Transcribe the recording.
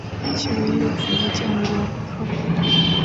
其唯一的姊妹舰为罗恩号。